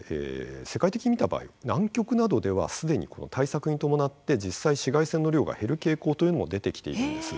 世界的に見た場合南極などでは既にこの対策に伴って実際紫外線の量が減る傾向というのも出てきているんです。